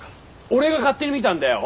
俺が勝手に見たんだよ！